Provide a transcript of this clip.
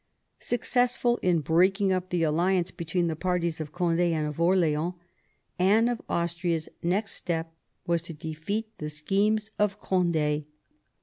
Successful in breaking up the alliance between the parties of Cond^ and of Orleans, Anne of Austria's next step was to defeat the schemes of Cond^.